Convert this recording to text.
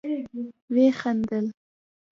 ويې خندل.